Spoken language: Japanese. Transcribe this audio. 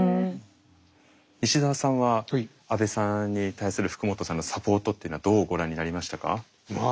西澤さんは阿部さんに対する福本さんのサポートっていうのはどうご覧になりましたか？